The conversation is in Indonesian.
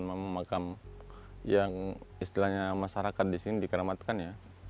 memang makam yang istilahnya masyarakat di sini dikeramatkan ya